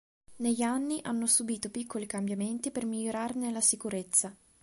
Negli anni hanno subito piccoli cambiamenti per migliorarne la sicurezza.